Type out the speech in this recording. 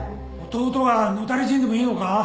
弟が野垂れ死んでもいいのか？